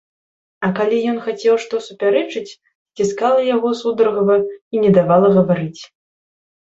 А калі ён хацеў што супярэчыць, сціскала яго сударгава і не давала гаварыць.